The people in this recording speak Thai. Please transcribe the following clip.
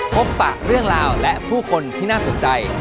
ปะเรื่องราวและผู้คนที่น่าสนใจ